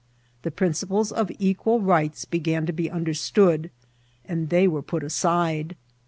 The principles at equal rights began to be understood, and they w»e put aside.